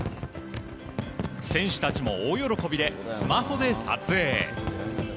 選手たちも大喜びでスマホで撮影。